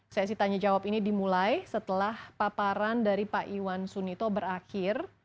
sesi tanya jawab ini dimulai setelah paparan dari pak iwan sunito berakhir